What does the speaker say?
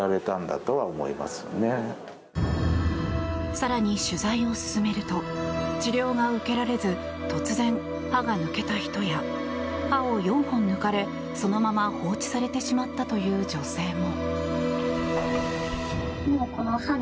更に取材を進めると治療が受けられず突然歯が抜けた人や歯を４本抜かれそのまま放置されてしまったという女性も。